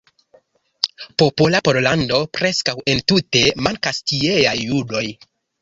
Popola Pollando preskaŭ entute mankas tieaj judoj.